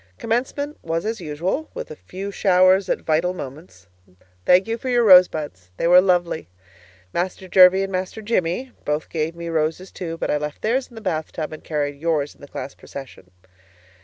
Commencement was as usual, with a few showers at vital moments. Thank you for your rosebuds. They were lovely. Master Jervie and Master Jimmie both gave me roses, too, but I left theirs in the bath tub and carried yours in the class procession.